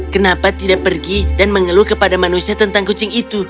kenapa tidak pergi dan mengeluh kepada manusia tentang kucing itu